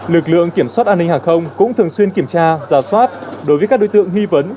lực lượng kiểm soát an ninh hàng không cũng thường xuyên kiểm tra giả soát đối với các đối tượng nghi vấn